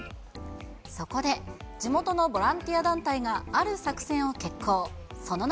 そこで、地元のボランティア団体が、ある作戦を決行。